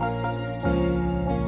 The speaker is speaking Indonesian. aduh aduh aduh